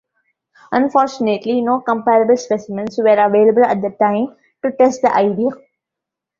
Unfortunately, no comparable specimens were available at that time to test the idea.